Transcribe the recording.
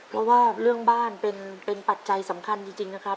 เพราะว่าเรื่องบ้านเป็นปัจจัยสำคัญจริงนะครับ